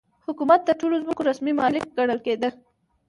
حکومت د ټولو ځمکو رسمي مالک ګڼل کېده.